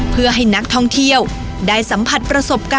เพื่อให้นักท่องเที่ยวได้สัมผัสประสบการณ์